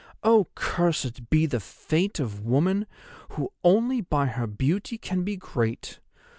Oh, cursed be the fate of woman who only by her beauty can be great.